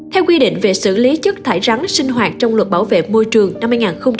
theo quy định về xử lý chất thải rắn sinh hoạt trong luật bảo vệ môi trường năm hai nghìn một mươi bốn